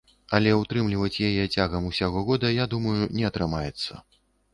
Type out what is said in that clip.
Але ўтрымліваць яе цягам усяго года, я думаю, не атрымаецца.